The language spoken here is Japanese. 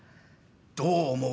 どう思う？